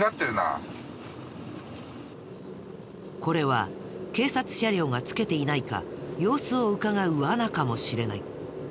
これは警察車両がつけていないか様子をうかがう罠かもしれない。